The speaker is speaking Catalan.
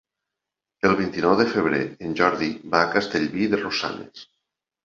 El vint-i-nou de febrer en Jordi va a Castellví de Rosanes.